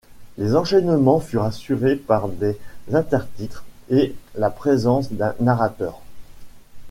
Les enchaînements furent assurés par des intertitres et la présence d'un narrateur.